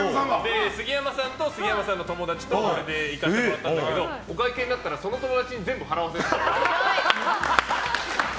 杉山さんと杉山さんの友達と俺で行かせてもらったんだけどお会計になったらその友達に全部払わせてた。